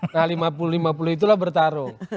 nah lima puluh lima puluh itulah bertarung